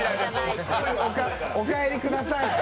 お帰りください。